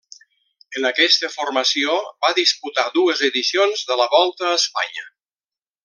En aquesta formació va disputar dues edicions de la Volta a Espanya.